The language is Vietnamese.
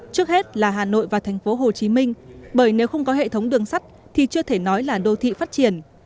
trước hết là hà nội và thành phố hồ chí minh bởi nếu không có hệ thống đường sắt thì chưa thể nói là đô thị phát triển